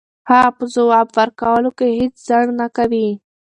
هغه په ځواب ورکولو کې هیڅ ځنډ نه کوي.